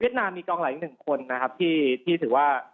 นามมีกองหลังอีกหนึ่งคนนะครับที่ถือว่า